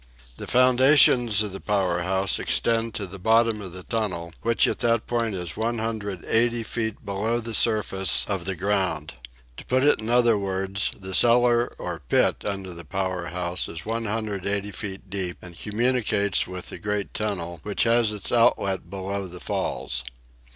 The foundations of the power house extend to the bottom of the tunnel, which at that point is 180 feet below the surface of the ground. To put it in other words, the cellar or pit under the power house is 180 feet deep and communicates with the great tunnel, which has its outlet below the falls.